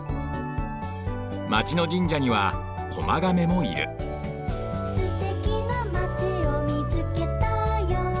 まちの神社には狛亀もいる「すてきなまちをみつけたよ」